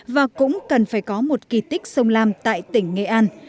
và cũng cần phải có một kỳ tích sông lam tại tỉnh nghệ an